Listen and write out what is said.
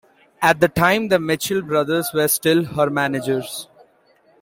At the time the Mitchell Brothers were still her managers.